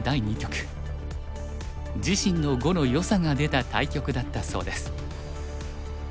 自身の碁のよさが出た対局だったそうです。